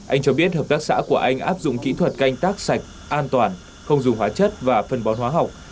anh cho biết hợp tác xã của anh áp dụng kỹ thuật canh tác sạch an toàn không dùng hóa chất và phân bón hóa học